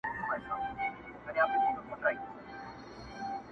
په ډکي هدیرې دي نن سبا په کرنتین کي؛